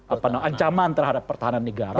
ancaman terhadap pertahanan negara